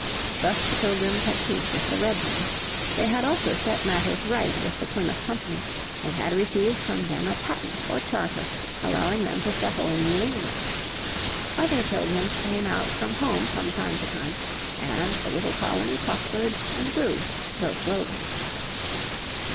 Thus the Pilgrims had peace with the Redmen. They had also set matters right with the Plymouth Company, and had received from them a patent or charter allowing them to settle in New England. Other Pilgrims came out from home from time to time, and the little colony prospered and grew, though slowly.